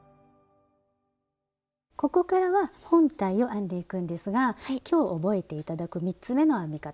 ここからは本体を編んでいくんですが今日覚えて頂く３つ目の編み方。